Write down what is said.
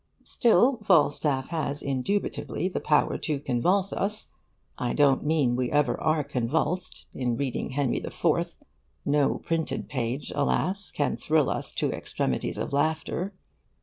Still, Falstaff has indubitably the power to convulse us. I don't mean we ever are convulsed in reading Henry the Fourth. No printed page, alas, can thrill us to extremities of laughter.